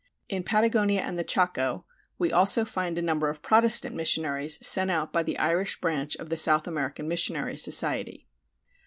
In Patagonia and the Chaco we also find a number of Protestant missionaries sent out by the Irish branch of the South American Missionary Society.